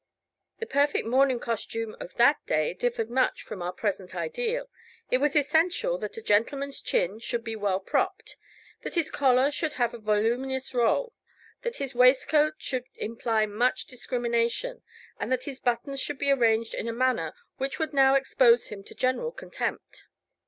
The perfect morning costume of that day differed much from our present ideal: it was essential that a gentleman's chin should be well propped, that his collar should have a voluminous roll, that his waistcoat should imply much discrimination, and that his buttons should be arranged in a manner which would now expose him to general contempt.